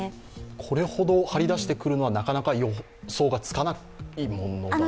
これほど張り出してくるのは、なかなか予想がつかないものなんですか。